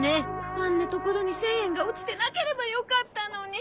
あんな所に１０００円が落ちてなければよかったのに。